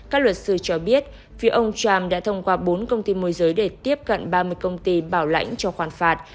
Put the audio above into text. các luật sư cho biết phía ông trump đã thông qua bốn công ty môi giới để tiếp cận ba mươi công ty bảo lãnh cho khoản phạt